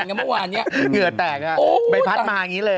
ด่าไหม